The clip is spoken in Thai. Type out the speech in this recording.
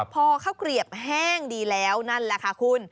พอข้าวเกลียบแห้งดีแล้วนั่นแหละค่ะคุณ